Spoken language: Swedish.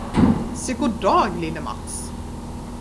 Se goddag, lille Mats!